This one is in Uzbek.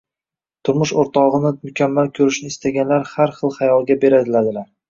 Turmush o‘rtog‘ini mukammal ko‘rishni istaganlar har xil xayolga beriladilar.